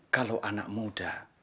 kalau anak muda